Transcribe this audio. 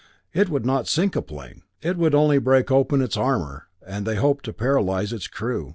It would not sink a plane. It would only break open its armor, and they hoped, paralyze its crew.